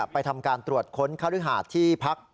ไปทำการตรวจค้นคฤหาสที่พัก